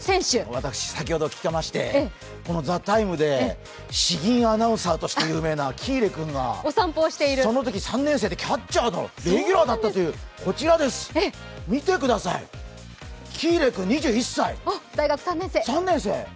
私、先ほど聞きまして詩吟アナウンサーとして有名な喜入君が、そのとき３年生でキャッチャーのレギュラーだったというこちらです、見てください、喜入君２１歳、大学３年生。